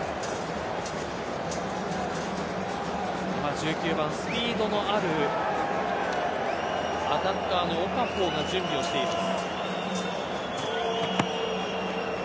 １９番、スピードのあるアタッカーのオカフォーが準備をしています。